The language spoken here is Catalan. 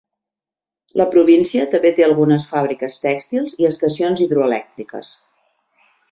La província també té algunes fàbriques tèxtils i estacions hidroelèctriques.